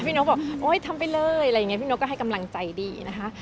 นกบอกโอ๊ยทำไปเลยอะไรอย่างนี้พี่นกก็ให้กำลังใจดีนะคะ